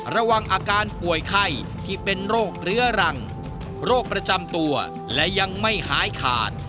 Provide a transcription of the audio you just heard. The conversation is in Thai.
ระวังอาการป่วยไข้ที่เป็นโรคเรื้อรังโรคประจำตัวและยังไม่หายขาด